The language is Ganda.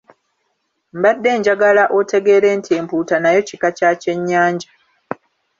Mbadde njagala otegeere nti empuuta nayo kika kya kyennyanja.